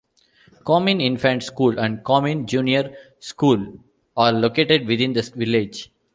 Comin Infant school and Comin Junior School are located within the village.